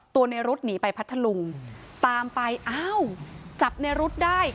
ตัวในรุทธ์หนีไปพัทรลุงตามไปอ้าวจับในรุทธ์ได้